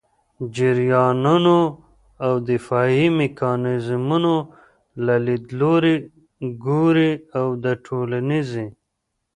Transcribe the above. جریانونو او دفاعي میکانیزمونو له لیدلوري ګوري او د ټولنيزې